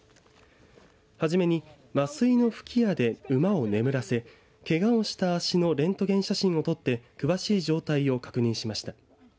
初めに麻酔の吹き矢で馬を眠らせけがをした足のレントゲン写真を撮って詳しい状態を確認しました。